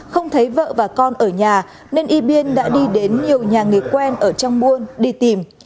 không thấy vợ và con ở nhà nên yibin đã đi đến nhiều nhà nghề quen ở trong buôn đi tìm